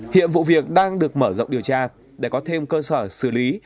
hiện vụ việc đang được mở rộng điều tra để có thêm cơ sở xử lý